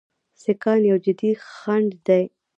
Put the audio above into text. سیکهان یو جدي خنډ دی.